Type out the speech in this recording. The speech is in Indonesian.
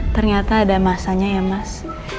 ternyata ada masanya ya mas